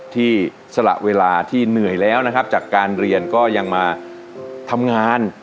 สละเวลาที่เหนื่อยแล้วนะครับจากการเรียนก็ยังมาทำงาน